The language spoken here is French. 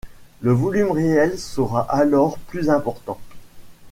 Le volume réel sera alors plus important.